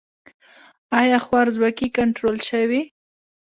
آیا خوارځواکي کنټرول شوې؟